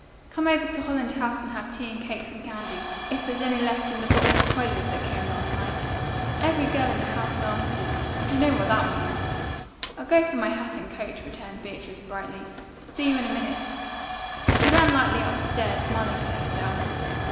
"Come over to Holland House and have tea and cakes and candy, if there's any left in the box of Huyler's that came last night. Every girl in the house sampled it. You know what that means." "I'll go for my hat and coat," returned Beatrice brightly. "See you in a minute." She ran lightly up the stairs, smiling to herself.